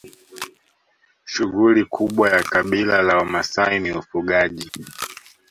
shughuli kubwa ya kabila la wamasai ni ufugaji